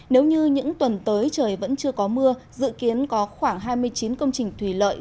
nếu như những tuần tới trời vẫn chưa có mưa dự kiến có khoảng hai mươi chín công trình thủy lợi